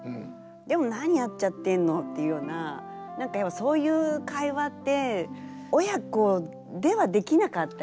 でも何やっちゃってんのっていうような何かそういう会話って親子ではできなかったりする部分も。